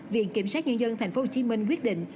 viện kiểm sát nhân dân thành phố hồ chí minh quyết định